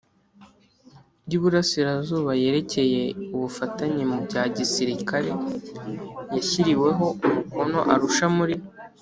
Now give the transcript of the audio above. y Iburasirazuba yerekeye Ubufatanye mu bya Gisirikare yashyiriweho umukono Arusha muri